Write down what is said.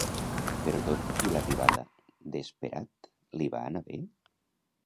Però tot i l'arribada d'Eperat, li va anar bé?